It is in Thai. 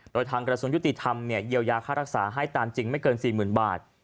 โดยทางกระทรวงยุติธรรมเยียวยาค่ารักษาให้ตามจริงไม่เกิน๔๐๐๐บาท